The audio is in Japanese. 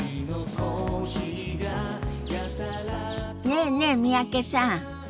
ねえねえ三宅さん。